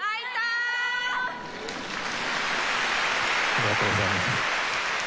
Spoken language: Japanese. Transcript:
ありがとうございます。